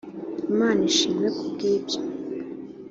imana ishimwe kubwibyo.